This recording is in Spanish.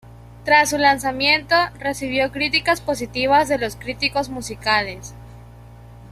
Tras su lanzamiento, recibió críticas positivas de los críticos musicales.